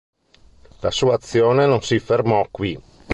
La sua azione non si fermò qui.